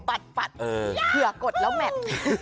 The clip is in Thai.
ปัดเผื่อกดแล้วแม็ต